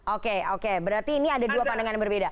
oke oke berarti ini ada dua pandangan yang berbeda